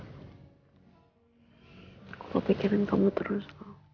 aku kepikiran kamu terus